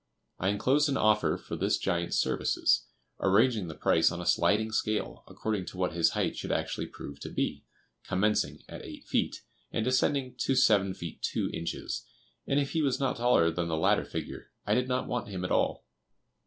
I enclosed an offer for this giant's services, arranging the price on a sliding scale, according to what his height should actually prove to be, commencing at eight feet, and descending to seven feet two inches; and if he was not taller than the latter figure, I did not want him at all.